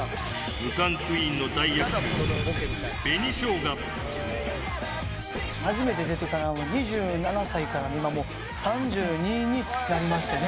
無冠クイーンの大逆襲、初めて出てから、２７歳から、今もう、３２になりましてね。